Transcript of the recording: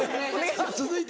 続いて。